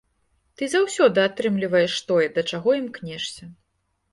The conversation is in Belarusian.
Ты заўсёды атрымліваеш тое, да чаго імкнешся.